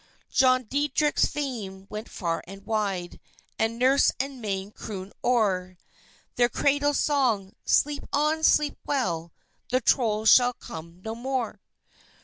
John Deitrich's fame went far and wide, and nurse and maid crooned o'er Their cradle song: "Sleep on, sleep well, the Trolls shall come no more!"